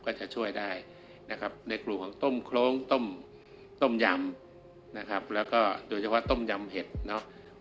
ก็จะช่วยได้นะครับในกลุ่มของต้มโครงต้มต้มยำนะครับแล้วก็โดยเฉพาะต้มยำเห็ดเนาะ